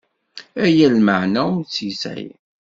Aya lmeεna ur tt-yesεi.